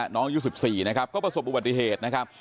ยุค๑๔นะครับก็ประสบอุบัติเหตุนะครับ